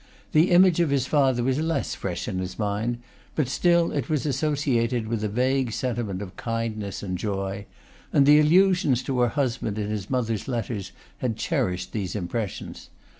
The image of his father was less fresh in his mind; but still it was associated with a vague sentiment of kindness and joy; and the allusions to her husband in his mother's letters had cherished these impressions.